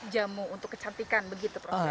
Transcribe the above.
jamu untuk kecantikan begitu prof ya